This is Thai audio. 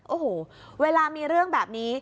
โอ้โหเวลามีเรื่องแบบนี้